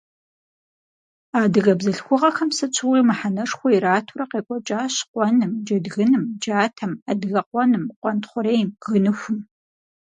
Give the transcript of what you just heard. Адыгэ бзылъхугъэхэм сыт щыгъуи мыхьэнэшхуэ иратурэ къекӀуэкӀащ къуэным, джэдгыным, джатэм, адыгэкъуэным, къуэнтхъурейм, гыныхум.